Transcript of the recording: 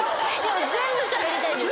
全部しゃべりたいんです。